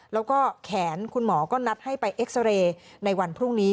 แล้วก็แขนคุณหมอก็นัดให้ไปเอ็กซาเรย์ในวันพรุ่งนี้